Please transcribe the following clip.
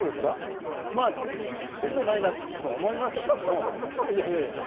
まあ節操ないなとは思いますけども。